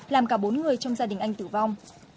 làm cả bốn người trong gia đình anh tử vong